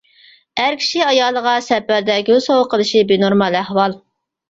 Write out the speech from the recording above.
ئەر كىشى ئايالىغا سەپەردە گۈل سوۋغا قىلىشى بىنورمال ئەھۋال.